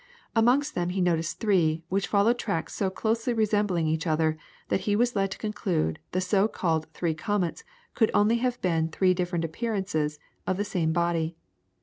Amongst them he noticed three, which followed tracks so closely resembling each other, that he was led to conclude the so called three comets could only have been three different appearances of the same body.